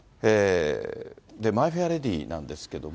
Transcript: マイ・フェア・レディなんですけれども。